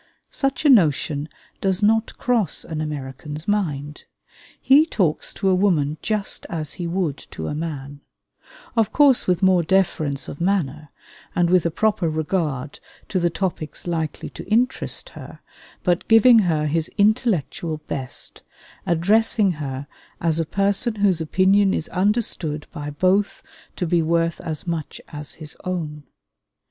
Such a notion does not cross an American's mind. He talks to a woman just as he would to a man; of course with more deference of manner, and with a proper regard to the topics likely to interest her, but giving her his intellectual best, addressing her as a person whose opinion is understood by both to be worth as much as his own.